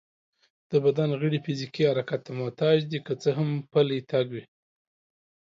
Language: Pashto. د بدن غړي فزيکي حرکت ته محتاج دي، که څه هم پلی تګ وي